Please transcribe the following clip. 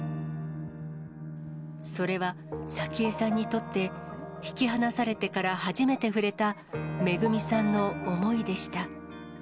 それは早紀江さんにとって、引き離されてから初めて触れた、めぐみさんの思いでした。